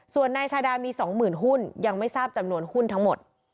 ส่วนนายชาดามี๒๐๐๐หุ้นยังไม่ทราบจำนวนหุ้นทั้งหมด